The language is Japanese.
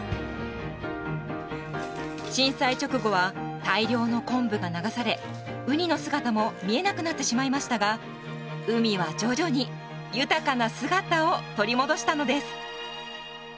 震災直後は大量のコンブが流されウニの姿も見えなくなってしまいましたが海は徐々に豊かな姿を取り戻したのです。